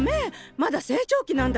まだ成長期なんだから。